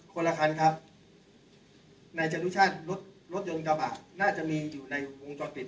คนละครับในจังห์ดุชาติรถรถยนต์กระบาดน่าจะมีอยู่ในวงจอดปิด